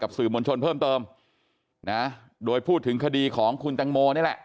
สื่อมวลชนเพิ่มเติมนะโดยพูดถึงคดีของคุณตังโมนี่แหละ